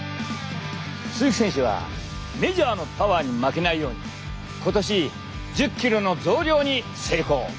鈴木選手はメジャーのパワーに負けないように今年１０キロの増量に成功。